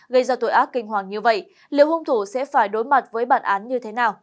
gây ra tội ác kinh hoàng như vậy liệu hung thủ sẽ phải đối mặt với bản án như thế nào